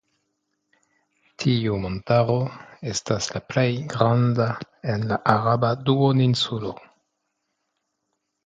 Tiu montaro estas la plej granda en la Araba Duoninsulo.